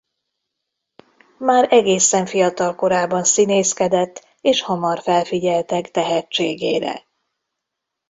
Már egészen fiatal korában színészkedett és hamar felfigyeltek tehetségére.